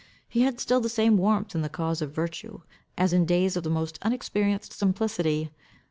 He had still the same warmth in the cause of virtue, as in days of the most unexperienced simplicity.